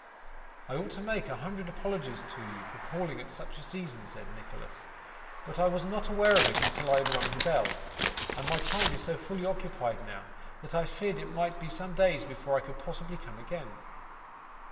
'I ought to make a hundred apologies to you for calling at such a season,' said Nicholas, 'but I was not aware of it until I had rung the bell, and my time is so fully occupied now, that I feared it might be some days before I could possibly come again.